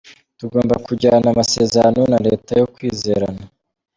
Tugomba kugirana amasezerano na leta yo kwizerana.